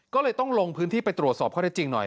ก็เลยต้องลงพื้นที่ไปตรวจสอบข้อได้จริงหน่อย